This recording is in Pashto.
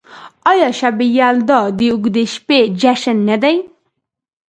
آیا شب یلدا د اوږدې شپې جشن نه دی؟